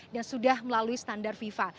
yang sudah melalui standar fifa